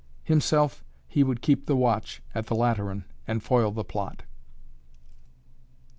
Himself, he would keep the watch at the Lateran and foil the plot.